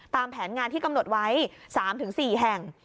ตามแผนงานที่กำหนดไว้๓๔แห่ง